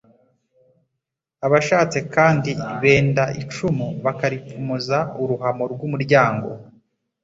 Abashatse kandi, benda icumu bakaripfumuza uruhamo rw’umuryango,